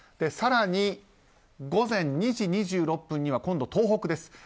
更に、午前２時２６分には今度は東北です。